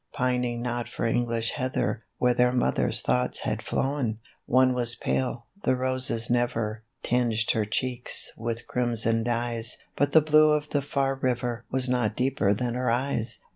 Pining not for English heather, Where their Mother's thoughts had flown. One was pale — the roses never Tinged her cheeks with crimson dyes ; But the blue of the far river Was not deeper than her eyes.